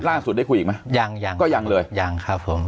ล่าสุดได้คุยอีกไหมยังยังก็ยังเลยยังครับผม